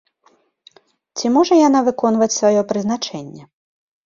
Ці можа яна выконваць сваё прызначэнне?